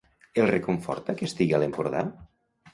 El reconforta que estigui a l'Empordà?